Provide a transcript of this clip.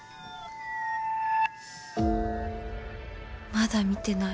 まだ見てない。